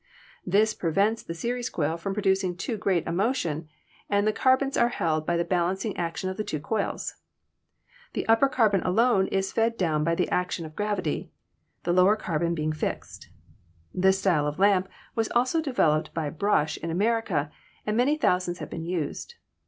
This prevents the series coil from producing too great a motion, and the carbons are held by the balancing action of the two coils. The upper carbon alone is fed down by the action of gravity, the lower carbon being fixed. This style of lamp was also developed by Brush in America, and many thousands have been used.